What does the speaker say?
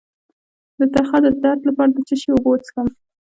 د تخه د درد لپاره د څه شي اوبه وڅښم؟